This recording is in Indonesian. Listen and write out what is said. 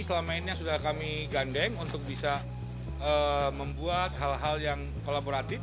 selama ini sudah kami gandeng untuk bisa membuat hal hal yang kolaboratif